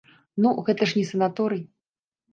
Ну, гэта ж не санаторый.